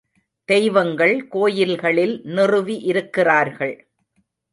தெய்வங்கள் கோயில்களில் நிறுவி இருக்கிறார்கள்.